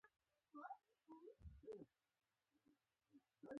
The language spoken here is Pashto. لمریز ځواک د افغانستان د صادراتو یوه ډېره مهمه او اساسي برخه ده.